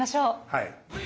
はい。